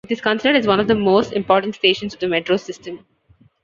It is considered as one of the most important stations of the Metro system.